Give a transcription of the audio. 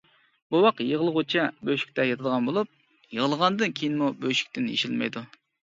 بوۋاق يىغلىغۇچە بۆشۈكتە ياتىدىغان بولۇپ، يىغلىغاندىن كېيىنمۇ بۆشۈكتىن يېشىلمەيدۇ.